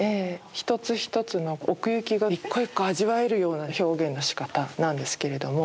一つ一つの奥行きが一個一個味わえるような表現のしかたなんですけれども。